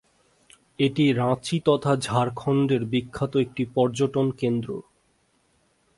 এটি রাঁচি তথা ঝাড়খন্ডের বিখ্যাত একটি পর্যটন কেন্দ্র।